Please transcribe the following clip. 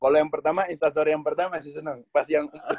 kalau yang pertama instastory yang pertama masih seneng pas yang empat belas jam itu